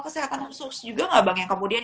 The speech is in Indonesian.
kesehatan khusus juga nggak bang yang kemudian